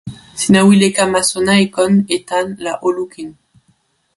sina wile kama sona e kon e tan la o lukin.